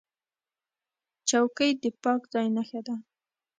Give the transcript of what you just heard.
چوکۍ د پاک ځای نښه ده.